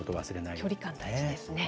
距離感大事ですね。